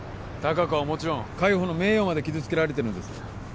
隆子はもちろん海保の名誉まで傷つけられてるんです